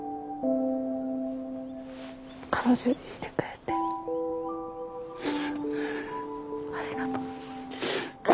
彼女にしてくれてありがとう。